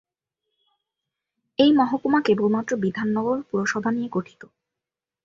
এই মহকুমা কেবলমাত্র বিধাননগর পুরসভা নিয়ে গঠিত।